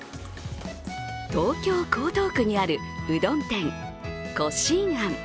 東京・江東区にあるうどん店小進庵。